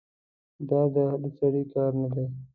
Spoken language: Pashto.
دا د هر سړي کار نه دی.